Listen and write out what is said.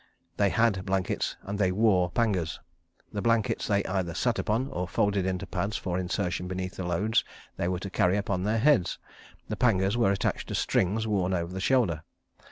They had blankets and they wore pangas. The blankets they either sat upon or folded into pads for insertion beneath the loads they were to carry upon their heads. The pangas were attached to strings worn over the shoulder.